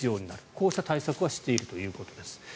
こうした対策はしているということです。